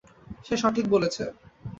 সে সঠিক বলেছে।